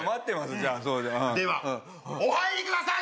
じゃあではお入りください！